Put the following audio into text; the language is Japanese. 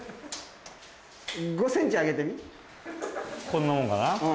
こんなもんかな？